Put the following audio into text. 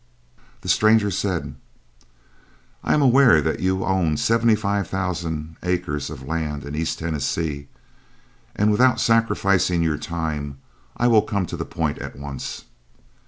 The stranger said: "I am aware that you own 75,000 acres, of land in East Tennessee, and without sacrificing your time, I will come to the point at once.